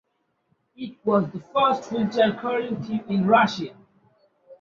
It was the first wheelchair curling team in Russia.